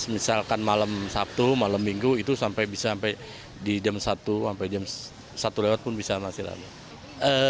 misalkan malam sabtu malam minggu itu sampai bisa sampai di jam satu sampai jam satu lewat pun bisa masih lama